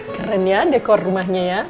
keren ya dekor rumahnya ya